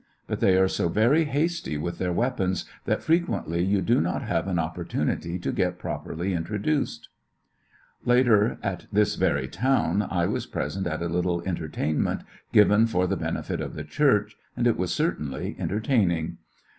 But they are so very hasty with their weapons that frequently you do not have an opportunity to get properly in troduced. A Western Later, at this very town, I was present at a entertainment little entertainment given for the benefit of the church, and it was certainly entertaining.